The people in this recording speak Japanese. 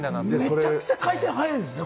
めちゃくちゃ回転速いんだね。